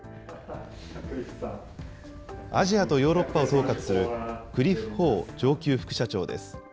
アジアとヨーロッパを統括するクリフ・ホー上級副社長です。